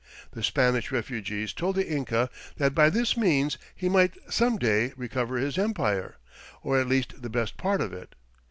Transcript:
The Spanish refugees told the Inca that by this means he might some day recover his empire, "or at least the best part of it."